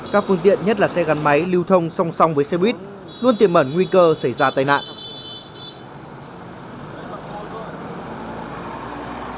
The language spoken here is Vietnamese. các phương tiện nhất là xe gắn máy lưu thông song song với xe buýt luôn tiềm mẩn nguy cơ xảy ra tai nạn